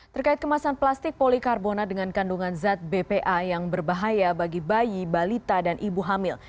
terkait kemasan plastik polikarbonat dengan kandungan zat bpa yang berbahaya bagi bayi balita dan ibu hamil